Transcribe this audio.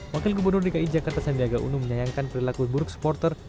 wakil gubernur dki jakarta sandiaga uno menyayangkan perilaku buruk supporter